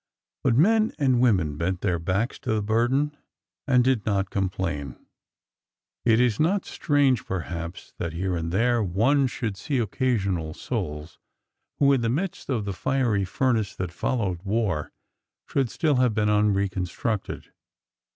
But men and women bent their backs to the burden and did not complain. It is not strange, perhaps, that here and there one should see occasional souls who, in the midst of the fiery furnace that followed war, should still have been un reconstructed.'